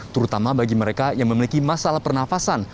terutama bagi mereka yang memiliki masalah pernafasan